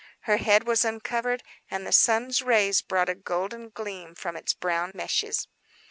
Her hair was uncovered and the sun's rays brought a golden gleam from its brown meshes.